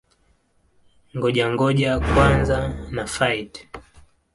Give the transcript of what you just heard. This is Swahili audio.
Ngoja-ngoja kwanza na-fight!